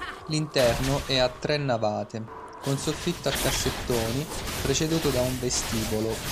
L'interno è a tre navate, con soffitto a cassettoni, preceduto da un vestibolo.